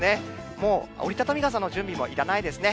もう折り畳み傘の準備もいらないですね。